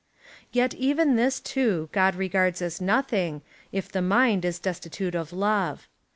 421 Yet even this, too, God regards as no thing , if the mind is destitute of love.